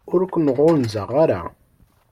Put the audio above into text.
Ur ken-ɣunzaɣ ara.